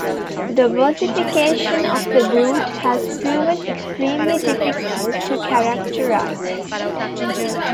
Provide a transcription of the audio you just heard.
The versification of the "Brut" has proven extremely difficult to characterise.